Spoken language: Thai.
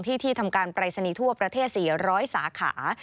ที่ที่ทำการเปรย์สนีทั่วประเทศอ่ะ๔๐๐สาขา